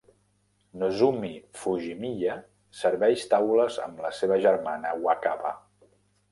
Nozomi Fujimiya serveix taules amb la seva germana Wakaba.